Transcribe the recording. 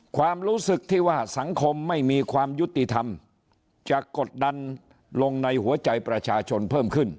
ความรู้สึกที่ว่าสังคมไม่มีความยุติธรรมจะกดดันลงในหัวใจประชาชนเพิ่มขึ้น